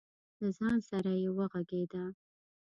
له ځان سره یې وغږېده.